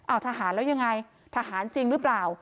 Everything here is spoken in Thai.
เอาทหารแล้วยังไงทหารจริงหรือเปล่า